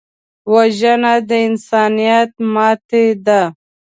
وژنه د انسانیت ماتې ده